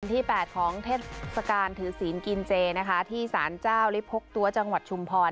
ที่๘ของเทศกาลถือศีลกินเจนะคะที่สารเจ้าลิภพกตัวจังหวัดชุมพร